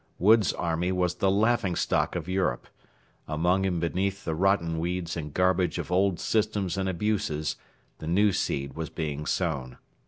Wood's army was the laughing stock of Europe. Among and beneath the rotten weeds and garbage of old systems and abuses the new seed was being sown.